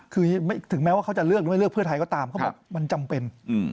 คือถึงแม้ว่าเขาจะเลือกหรือไม่เลือกเพื่อไทยก็ตามเขาบอกมันจำเป็น